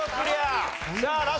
さあラスト九州。